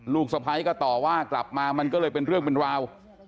สะพ้ายก็ต่อว่ากลับมามันก็เลยเป็นเรื่องเป็นราว